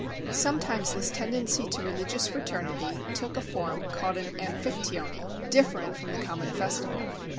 Sometimes this tendency to religious fraternity took a form called an Amphictyony, different from the common festival.